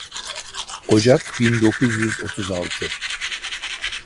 Ocak bin dokuz yüz otuz altı.